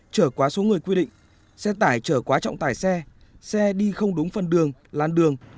trở quá số người quy định xe tải chở quá trọng tải xe xe đi không đúng phần đường lan đường